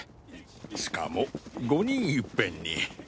しかも５人いっぺんに。